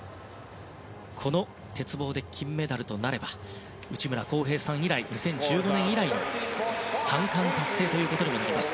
この鉄棒で金メダルとなれば内村航平さん以来２０１５年以来の３冠達成となります。